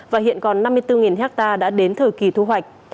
và hiện còn năm mươi bốn hectare đã đến thời kỳ thu hoạch